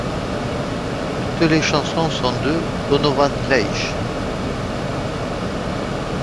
Toutes les chansons sont de Donovan Leitch.